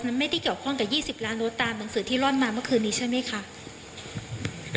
มันไม่ได้เกี่ยวข้องกับ๒๐ล้านโดสตามหนังสือที่ร่อนมาเมื่อคืนนี้ใช่ไหมคะ